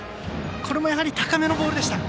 これも高めのボールでした。